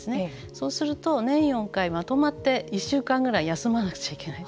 そうすると年４回まとまって１週間ぐらい休まなくちゃいけない